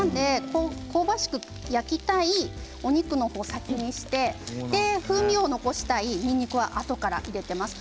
香ばしく焼きたいお肉を先にして風味を残したいにんにくはあとから入れています。